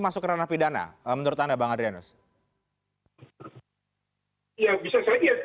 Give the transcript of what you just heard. sebelum kemudian kita bicara mengenai apakah ada unsur pidana nya